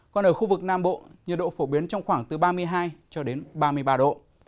còn ở khu vực nam bộ nhiệt độ phổ biến trong khoảng từ ba mươi hai cho đến ba mươi ba độ